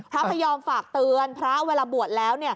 พระพยอมฝากเตือนพระเวลาบวชแล้ว